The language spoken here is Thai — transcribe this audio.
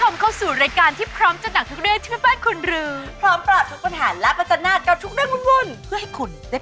แม่บ้านประจัดบอสสวัสดีค่ะ